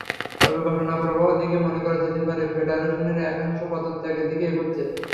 তবে ঘটনাপ্রবাহ দেখে মনে করা যেতে পারে, ফেডারেশনের একাংশ পদত্যাগের দিকে এগোচ্ছে।